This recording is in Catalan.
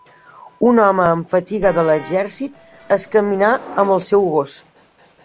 Un home amb fatiga de l'exèrcit és caminar amb el seu gos